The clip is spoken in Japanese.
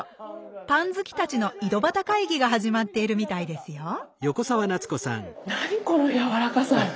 パン好きたちの井戸端会議が始まっているみたいですよ何このやわらかさ。